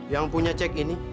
yang punya cek ini